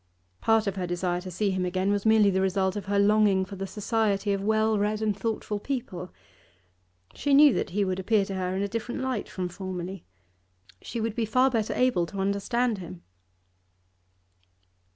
Part of her desire to see him again was merely the result of her longing for the society of well read and thoughtful people. She knew that he would appear to her in a different light from formerly; she would be far better able to understand him.